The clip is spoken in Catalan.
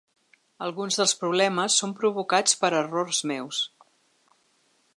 Alguns dels problemes són provocats per errors meus.